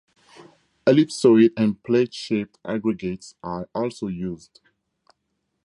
Ellipsoid and plate-shaped aggregates are also used.